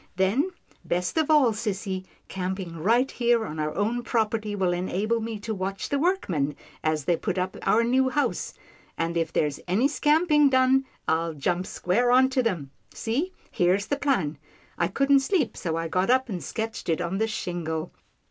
Then, best of all, sissy, camping right here on our own prop erty will enable me to watch the workmen as they put up our new house, and if there's any scamping done, I'll jump square on to them. See, here's the plan. I couldn't sleep, so I got up and sketched it on this shingle."